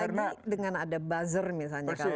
apalagi dengan ada buzzer misalnya